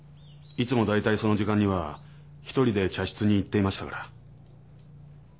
いつもだいたいその時間には１人で茶室に行っていましたから。